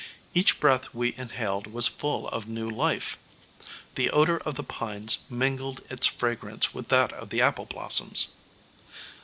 Each breath we inhaled was full of new life. The odor of the pines mingled its fragrance with that of the apple blossoms.